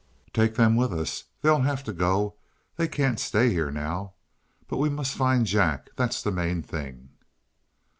"Take them with us. They'll have to go they can't stay here now. But we must find Jack that's the main thing."